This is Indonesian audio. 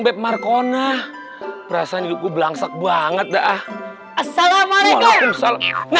beb markona perasaan hidupku belangsek banget dah assalamualaikum salam